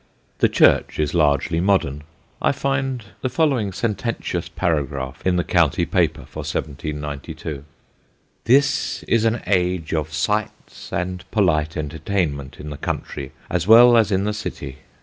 The church is largely modern. I find the following sententious paragraph in the county paper for 1792: "This is an age of Sights and polite entertainment in the country as well as in the city.